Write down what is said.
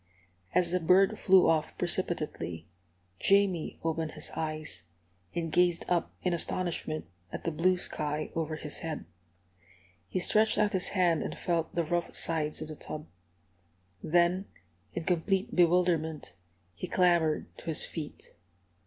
As the bird flew off precipitately, Jamie opened his eyes, and gazed up in astonishment at the blue sky over his head. He stretched out his hand and felt the rough sides of the tub. Then, in complete bewilderment, he clambered to his feet.